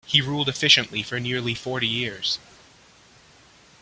He ruled efficiently for nearly forty years.